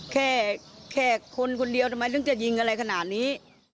แค่แค่คนคนเดียวทำไมถึงจะยิงอะไรขนาดนี้